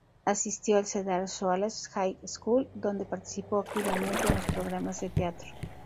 Asistió al Cedar Shoals High School, donde participó activamente en los programas de teatro.